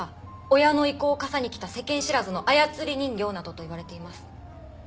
親の威光を笠に着た世間知らずの操り人形などと言われています。